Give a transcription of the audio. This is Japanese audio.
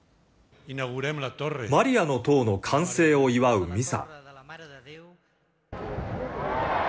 マリアの塔の完成を祝うミサ。